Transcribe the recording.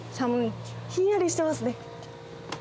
ひんやりしてますね。